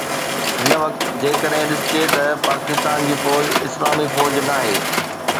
هن وقت جيڪڏهن ڏسجي ته پاڪستان جي فوج اسلامي فوج ناهي